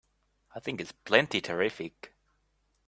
I think it's plenty terrific!